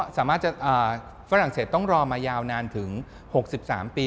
ฝรั่งเศสต้องรอมายาวนานถึง๖๓ปี